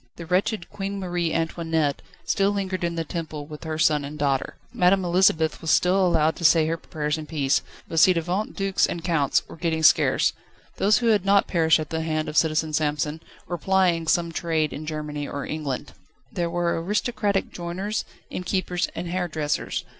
The wretched Queen Marie Antoinette still lingered in the Temple with her son and daughter. Madame Elisabeth was still allowed to say her prayers in peace, but ci devant dukes and counts were getting scarce: those who had not perished at the hand of Citizen Samson were plying some trade in Germany or England. There were aristocratic joiners, innkeepers, and hairdressers.